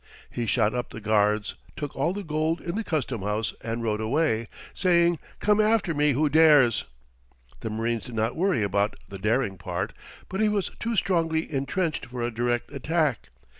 He shot up the guards, took all the gold in the custom house, and rode away, saying: "Come after me who dares!" The marines did not worry about the daring part; but he was too strongly intrenched for a direct attack.